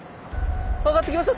上がってきました。